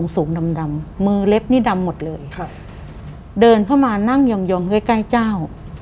สูงดำมือเล็บนี่ดำหมดเลยเดินเข้ามานั่งย่องไว้ใกล้เจ้า